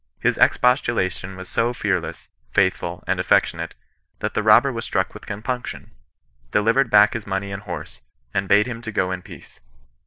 His expostulation was so fearless, faith ful, and affectionate, that the robber was struck with compunction, delivered back his money and horse, and bade him go in peace.